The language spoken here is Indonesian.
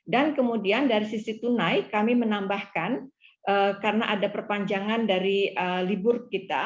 dan kemudian dari sisi tunai kami menambahkan karena ada perpanjangan dari libur kita